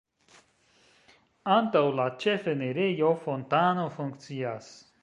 Antaŭ la ĉefenirejo fontano funkcias.